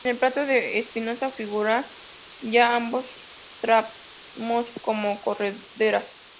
En el plano de Espinosa, figuran ya ambos tramos como "correderas".